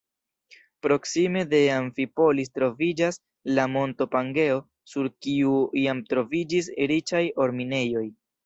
Proksime de Amfipolis troviĝas la monto Pangeo, sur kiu iam troviĝis riĉaj or-minejoj.